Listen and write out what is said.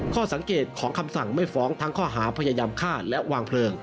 ข้อสังเกตของคำสั่งไม่ฟ้องทั้งข้อหาพยายามฆ่าและวางเพลิง